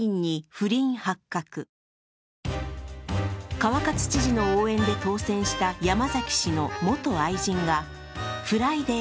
川勝知事の応援で当選した山崎氏の元愛人が「ＦＲＩＤＡＹ